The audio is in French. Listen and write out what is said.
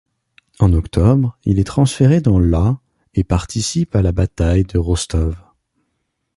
En octobre, il est transféré dans la et participe à la bataille de Rostov.